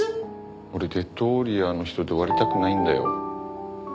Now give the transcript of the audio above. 俺「『デッドウォーリア』の人」で終わりたくないんだよ。